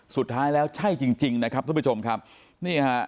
สุดท้ายแล้วใช่จริงนะครับทุกพี่ผู้ชมนี่ฮะ